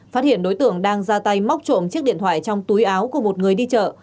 phát hiện đối tượng đang ra tay móc trộm chiếc điện thoại trong túi áo của một người đi chợ